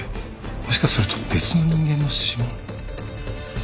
もしかすると別の人間の指紋？